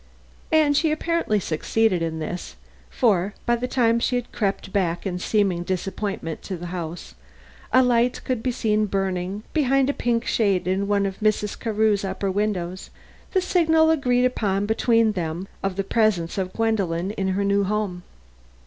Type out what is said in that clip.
And she apparently succeeded in this, for by the time she had crept back in seeming disappointment to the house, a light could be seen burning behind a pink shade in one of Mrs. Carew's upper windows the signal agreed upon between them of the presence of Gwendolen in her new home.